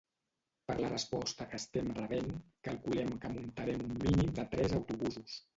“Per la resposta que estem rebent, calculem que muntarem un mínim de tres autobusos”.